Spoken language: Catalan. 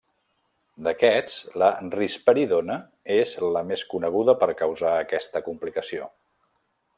D'aquests, la risperidona és la més coneguda per causar aquesta complicació.